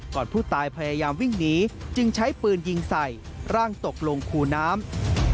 ก่อนผู้ตายพยายามวิ่งหนีจึงใช้ปืนยิงใส่ร่างตกลงคูน้ำ